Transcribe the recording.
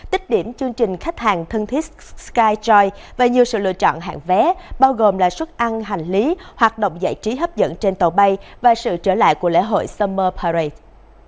tích điểm chương trình khách hàng thân thiết skyjoy và nhiều sự lựa chọn hạng vé bao gồm là suất ăn hành lý hoạt động giải trí hấp dẫn trên tàu bay và sự trở lại của lễ hội summer paraly